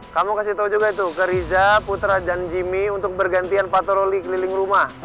kamu kasih tau juga itu ke riza putra dan jimmy untuk bergantian patroli keliling rumah